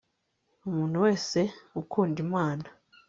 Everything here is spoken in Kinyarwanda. umuntu wese ukunda imana